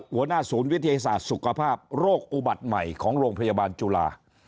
หัวหน้าศูนย์วิทยาศาสตร์สุขภาพโรคอุบัติใหม่ของโรงพยาบาลจุฬา